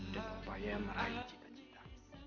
dan upaya meraih cita cita